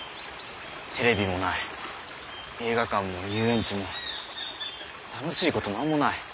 テレビもない映画館も遊園地も楽しいこと何もない。